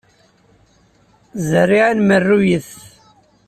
Zerriɛa n merruyet.